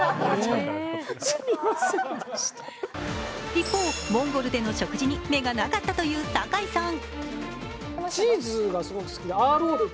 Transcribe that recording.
一方、モンゴルでの食事に目がなかったという堺さん。